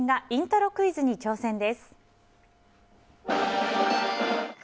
イントロクイズに挑戦。